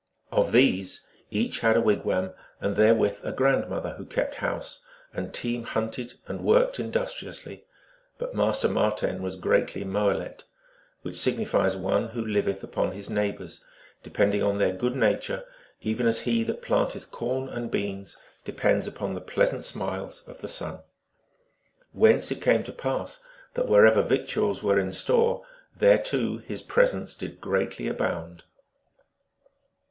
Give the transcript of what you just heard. Of these each had a wigwam, and therewith a grandmother who kept house. And Team hunted and worked industri ously, but Master Marten was greatly moalet (M.), which signifies one who liveth upon his neighbors, de pending on their good nature, even as he that planteth corn and beans depends upon the pleasant smiles of the sun ; whence it came to pass that wherever vict uals were in store there too his presence did greatly abound.